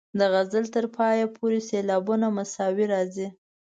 د غزل تر پایه پورې سېلابونه مساوي راځي.